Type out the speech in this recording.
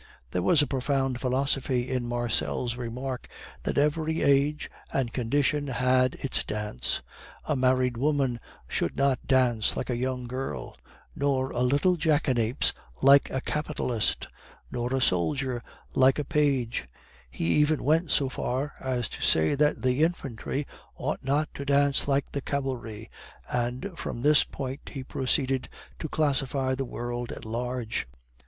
There was a profound philosophy in Marcel's remark that every age and condition had its dance; a married woman should not dance like a young girl, nor a little jackanapes like a capitalist, nor a soldier like a page; he even went so far as to say that the infantry ought not to dance like the cavalry, and from this point he proceeded to classify the world at large.